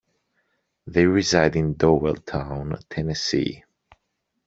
They reside in Dowelltown, Tennessee.